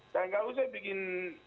dan tidak usah bikin